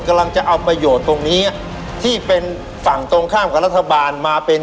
กำลังจะเอาประโยชน์ตรงนี้ที่เป็นฝั่งตรงข้ามกับรัฐบาลมาเป็น